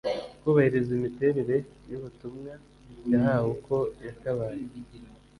kubahiriza imiterere y ubutumwa yahawe uko yakabaye